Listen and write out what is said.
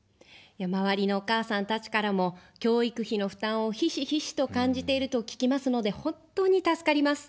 周りのお母さんたちからも、教育費の負担をひしひしと感じていると聞きますので、本当に助かります。